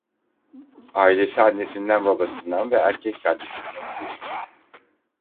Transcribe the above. Ailesi annesinden babasından ve erkek kardeşinden oluşur.